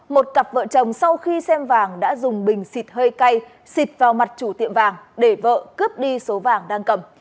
một cặp vợ chồng sau khi xem vàng đã dùng bình xịt hơi cay xịt vào mặt chủ tiệm vàng để vợ cướp đi số vàng đang cầm